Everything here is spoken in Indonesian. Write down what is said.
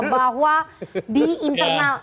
bahwa di internal